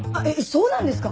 そうなんですか？